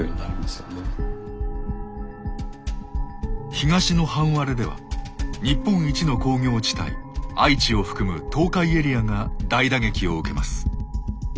東の半割れでは日本一の工業地帯愛知を含む東海エリアが大打撃を受けます。